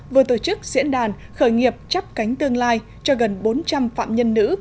vừa tổ chức diễn đàn khởi nghiệp chấp cánh tương lai cho gần bốn trăm linh phạm nhân nữ